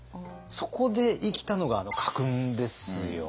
そこで生きたのがあの家訓ですよね。